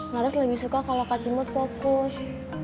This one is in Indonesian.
laras lebih suka kalau kak cimot fokus